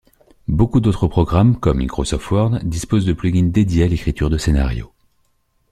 Beaucoup d'autres programmes comme Microsoft Word disposent de plugins dédiés à l'écriture de scénarios.